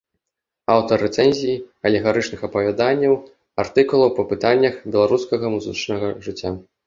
Аўтар рэцэнзій, алегарычных апавяданняў, артыкулаў па пытаннях беларускага музычнага жыцця.